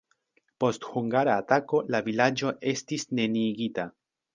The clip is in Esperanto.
Post hungara atako la vilaĝo estis neniigita.